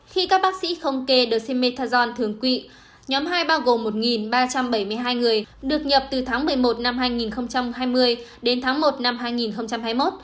khi các bác sĩ không kê demetajon thường quỵ nhóm hai bao gồm một ba trăm bảy mươi hai người được nhập từ tháng một mươi một năm hai nghìn hai mươi đến tháng một năm hai nghìn hai mươi một